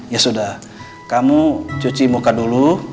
ya sudah kamu cuci muka dulu